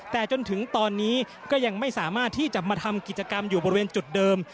แต่จนถึงตอนนี้ก็ยังไม่สามารถที่จะมาทำกิจกรรมอยู่บริเวณจุดเดิม